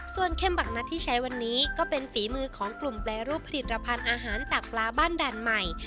ส่วนเข้มบักนัดที่ใช้วันนี้ก็เป็นฝีมือของกลุ่มแปรรูปผลิตภัณฑ์อาหารจากปลาบ้านด่านใหม่